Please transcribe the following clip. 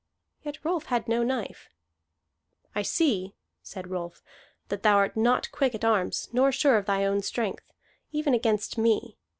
Yet Rolf had no knife. "I see," said Rolf, "that thou art not quick at arms nor sure of thy own strength, even against me.